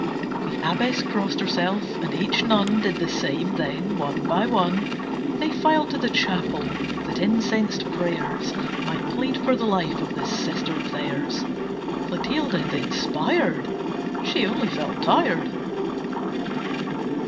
The Abbess crossed herself, and each nun Did the same, then one by one, They filed to the chapel, that incensed prayers Might plead for the life of this sister of theirs. Clotilde, the Inspired! She only felt tired.